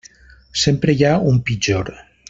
Sempre hi ha un pitjor.